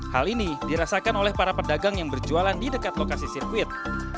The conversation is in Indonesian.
hal ini dirasakan oleh para pedagang yang berjualan di dekat lokasi sirkuit